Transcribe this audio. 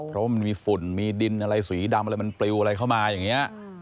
เพราะว่ามันมีฝุ่นมีดินอะไรสีดำอะไรมันปลิวอะไรเข้ามาอย่างนี้